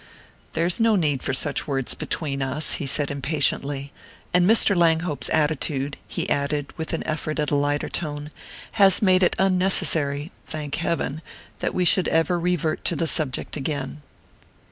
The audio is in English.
"There is no need for such words between us," he said impatiently; "and Mr. Langhope's attitude," he added, with an effort at a lighter tone, "has made it unnecessary, thank heaven, that we should ever revert to the subject again."